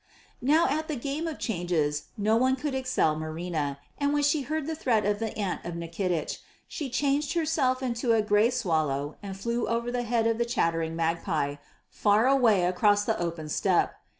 Now at the game of changes no one could excel Marina, and when she heard the threat of the aunt of Nikitich she changed herself into a grey swallow and flew over the head of the chattering magpie far away across the open steppe.